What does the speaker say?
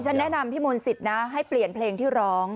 ฉันแนะนำพี่มนศิษย์นะให้เปลี่ยนเพลงที่ร้อง